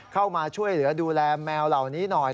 เข้ามาช่วยเหลือดูแลแมวเหล่านี้หน่อย